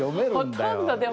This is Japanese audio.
ほとんどでも。